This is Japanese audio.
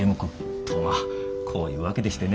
とまあこういうわけでしてね。